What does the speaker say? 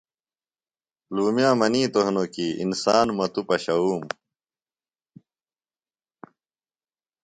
لومئیہ منیتوۡ ہنوۡ کیۡ انسان مہ توۡ پشوُوم